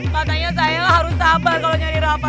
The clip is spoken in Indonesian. katanya saya harus sabar kalau jadi rafa